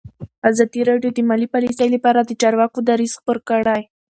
ازادي راډیو د مالي پالیسي لپاره د چارواکو دریځ خپور کړی.